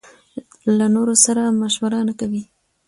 له نورو سره مشوره نکوي.